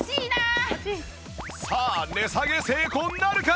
さあ値下げ成功なるか？